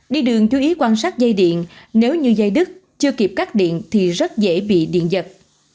đi đường chú ý quan sát dây điện nếu như dây đứt chưa kịp cắt điện thì rất dễ bị điện giật